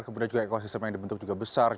kemudian juga ekosistem yang dibentuk juga besar